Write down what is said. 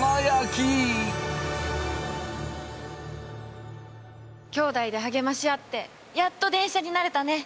きょうだいで励まし合ってやっと電車になれたね！